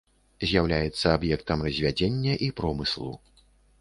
З'яўляецца аб'ектам развядзення і промыслу.